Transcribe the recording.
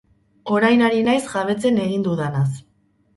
Orain ari naiz jabetzen egin dudanaz.